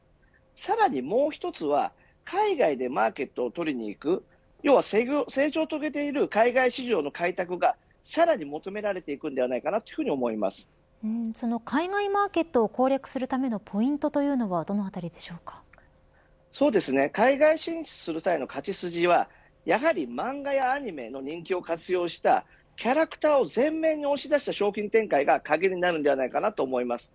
さらにもう１つは海外でマーケットを取りに行く要は成長を遂げている海外市場の開拓がさらに求められていくのではないかと海外マーケットを攻略するためのポイントというのは海外進出する際の勝ち筋はやはり漫画やアニメの人気を活用したキャラクターを前面に押し出した商品展開が鍵になるのではないかと思います。